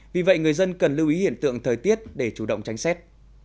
vì vậy người dân cần lưu ý hiện tượng thời tiết để chủ động tránh xét